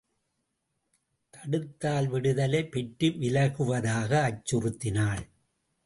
தடுத்தால் விடுதலை பெற்று விலகுவதாக அச்சுறுத்தினாள்.